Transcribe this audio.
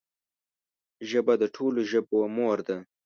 ژبه د ټولو ژبو مور ده